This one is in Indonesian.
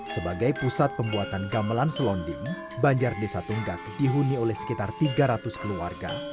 sebagai pusat pembuatan gamelan selonding banjar desa tunggak dihuni oleh sekitar tiga ratus keluarga